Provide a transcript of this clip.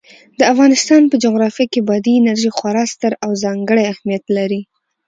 د افغانستان په جغرافیه کې بادي انرژي خورا ستر او ځانګړی اهمیت لري.